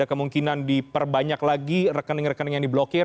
kemungkinan diperbanyak lagi rekening rekening yang diblokir